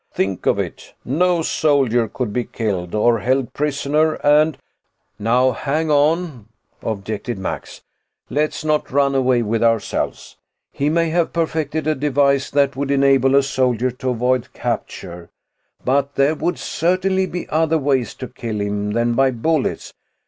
Think of it! No soldier could be killed or held prisoner. And " "Now hang on," objected Max. "Let's not run away with ourselves. He may have perfected a device that would enable a soldier to avoid capture, but there would certainly be other ways to kill him than by bullets.